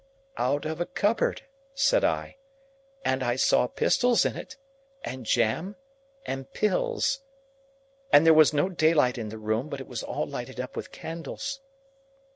"Out of a cupboard," said I. "And I saw pistols in it,—and jam,—and pills. And there was no daylight in the room, but it was all lighted up with candles."